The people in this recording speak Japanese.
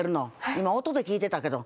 「今音で聞いてたけど。